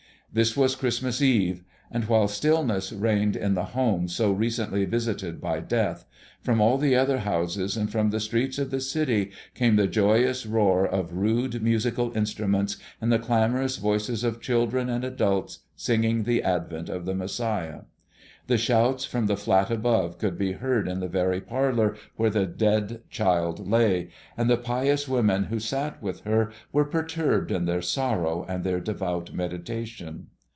This was Christmas Eve; and while stillness reigned in the home so recently visited by death, from all the other houses and from the streets of the city came the joyous roar of rude musical instruments and the clamorous voices of children and adults singing the advent of the Messiah. The shouts from the flat above could be heard in the very parlor where the dead child lay; and the pious women who sat with her were perturbed in their sorrow and their devout meditation.